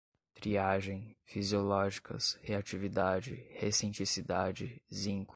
triagem, fisiológicas, reatividade, recenticidade, zinco